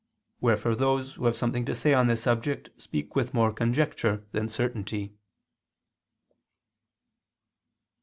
Wherefore those who have something to say on this subject speak with more conjecture than certainty.